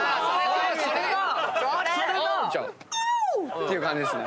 オォウ！っていう感じですね。